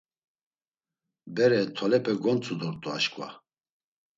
Bere tolepe gontzu dort̆u aşǩva.